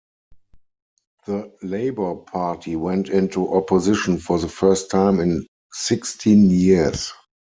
The Labour Party went into opposition for the first time in sixteen years.